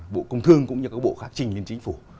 bộ công thương cũng như các bộ khác trình lên chính phủ